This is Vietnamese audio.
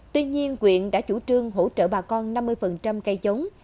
tuy nhiên quyện đã chủ trương hỗ trợ bà con năm mươi cây giống